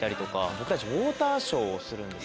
僕たちウォーターショーをするんです。